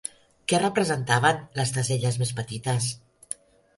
Què representaven les tessel·les més petites?